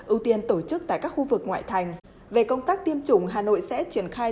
ưu tiên tổ chức tại các khu vực ngoại thành về công tác tiêm chủng hà nội sẽ triển khai